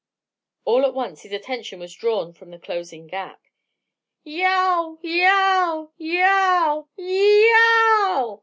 All at once his attention was drawn from the closing gap. "Yeow! Yeow! Yeow! Y e o w!"